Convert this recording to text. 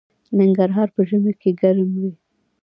ننګرهار په ژمي کې ګرم وي